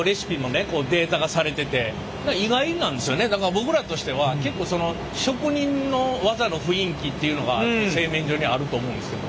僕らとしては結構その職人の技の雰囲気っていうのが製麺所にあると思うんですけど。